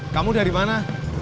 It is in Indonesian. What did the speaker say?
kamu dari mana